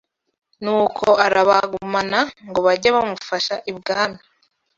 Nuko arabagumana ngo bajye bamufasha ibwami